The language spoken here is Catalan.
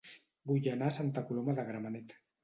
Vull anar a Santa Coloma de Gramenet